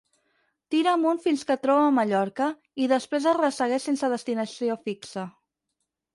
Tira amunt fins que troba Mallorca i després el ressegueix sense destinació fixa.